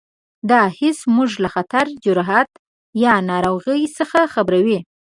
دا حس موږ له خطر، جراحت یا ناروغۍ څخه خبروي.